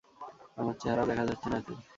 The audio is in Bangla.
আমার চেহারাও দেখা যাচ্ছে না এতে।